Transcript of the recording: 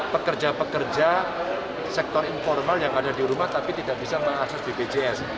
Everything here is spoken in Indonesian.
pekerja pekerja sektor informal yang ada di rumah tapi tidak bisa mengakses bpjs